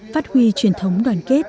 phát huy truyền thống đoàn kết